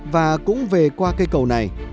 và cũng về qua cây cầu này